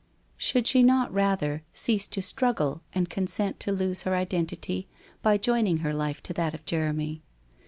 Should she not rather, cease to struggle and consent to lose her identity by joining her life to that of Jeremy?